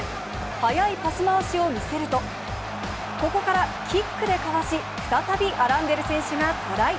速いパス回しを見せると、ここからキックでかわし、再びアランデル選手がトライ。